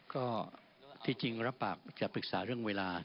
ก็ที่จริงรับปากจะปรึกษาเรื่องเวลา